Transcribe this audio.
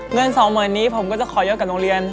เงินสองหมื่นนี้ผมก็จะขอยอดกับโรงเรียน